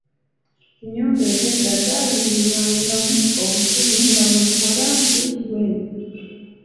Ennyumba ez'edda zaayalirirwangamu obusubi nga bwe bukola ng’ekiwempe.